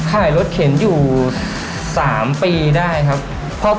ขายรถเข็นอยู่๓ปีได้ครับ